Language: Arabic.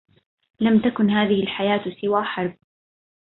لم تكن هذه الحياة سوى حرب